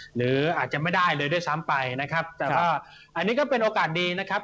หรืออาจจะไม่ได้เลยด้วยซ้ำไปนะครับแต่ก็อันนี้ก็เป็นโอกาสดีนะครับ